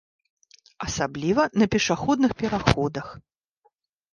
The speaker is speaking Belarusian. Асабліва на пешаходных пераходах.